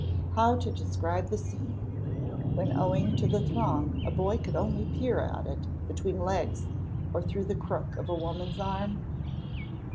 How to describe the scene, when owing to the throng a boy could only peer at it between legs or through the crook of a woman's arm?